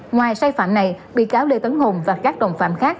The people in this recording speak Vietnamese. ngoài sai phạm này bị cáo lê tấn hùng và các đồng phạm khác